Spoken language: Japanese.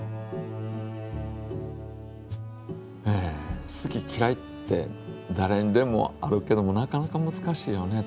え好ききらいってだれにでもあるけどもなかなかむずかしいよね